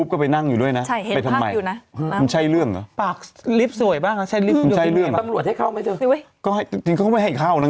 เขารู้ว่าน่าจะเป็นเรื่องอื่นมากกว่ากัน